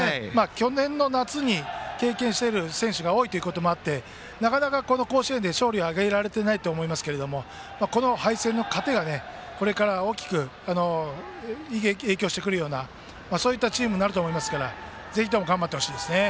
去年夏を経験している選手も多くてなかなか甲子園で勝利を挙げられていないと思いますがこの敗戦の糧が、これから大きく影響してくるようなそういったチームになると思いますからぜひとも頑張ってほしいですね。